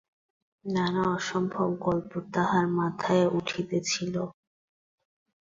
নানা অসম্ভব গল্প তাহার মাথায় উঠিতেছিল।